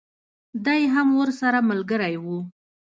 دی هم ورسره ملګری وو.